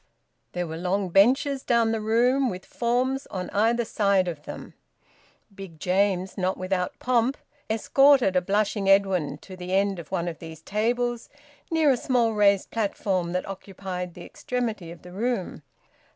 There were long benches down the room, with forms on either side of them. Big James, not without pomp, escorted a blushing Edwin to the end of one of these tables, near a small raised platform that occupied the extremity of the room.